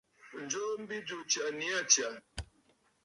Ǹjoo mbi jù ɨ tsyà nii aa tsyà.